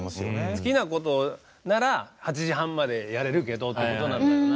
好きなことなら８時半までやれるけどってことなんだろうな。